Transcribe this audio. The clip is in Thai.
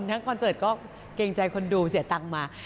คอนเสิร์ตก็เกรงใจคนดูเสียตังค์มา